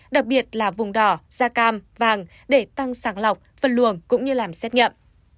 đặc biệt là vùng đỏ da cam vàng để tăng sàng lọc phân luồng cũng như làm xét nghiệm